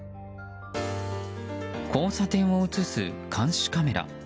交差点を映す監視カメラ。